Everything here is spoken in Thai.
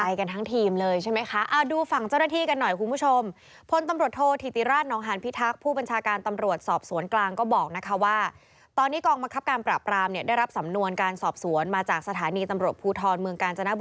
ใกล้กันทั้งทีมเลยใช่ไหมคะดูฝั่งเจ้าหน้าที่กันหน่อยคุณผู้ชม